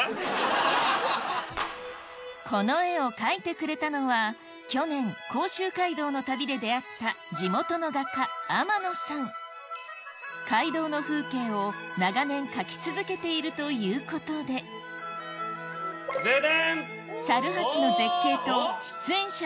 この絵を描いてくれたのは去年甲州街道の旅で出会った地元の街道の風景を長年描き続けているということでデデン！